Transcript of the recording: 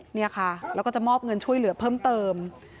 เนี่ยค่ะแล้วก็จะมอบเงินช่วยเหลือเพิ่มเติม